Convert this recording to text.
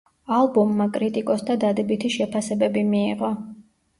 ალბომმა კრიტიკოსთა დადებითი შეფასებები მიიღო.